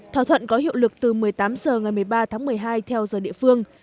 thỏa thuận có hiệu lực từ một mươi tám h ngày một mươi ba tháng một mươi hai theo giờ địa phương